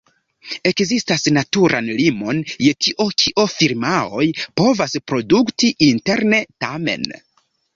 Ekzistas naturan limon je tio kio firmaoj povas produkti interne, tamen.